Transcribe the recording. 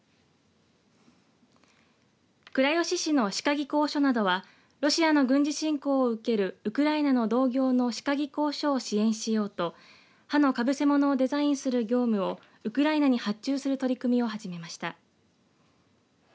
倉吉市の歯科技工所などはロシアの軍事侵攻を受けるウクライナの同業の歯科技工所を支援しようと歯のかぶせものをデザインする業務をウクライナに発注する取り組みを始めました。